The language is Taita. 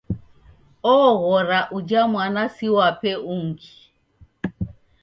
Oghora uja mwana siwape ungi.